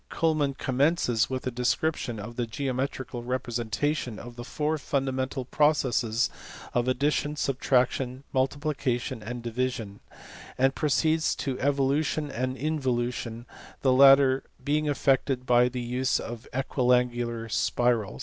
Culmann commences with a description of the geo metrical representation of the four fundamental processes of addition, subtraction, multiplication, and division; and pro ceeds to evolution and involution, the latter being effected by the use of equiangular spiral.